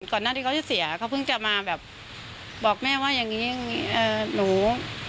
ก่อนหน้าที่เขาจะเสียเขาเพิ่งจะมาแบบบอกแม่ว่าอย่างนี้หนู